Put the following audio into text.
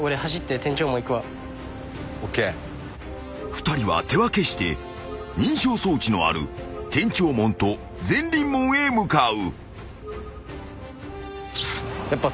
［２人は手分けして認証装置のある天長門と善隣門へ向かう］